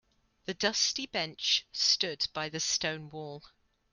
The dusty bench stood by the stone wall.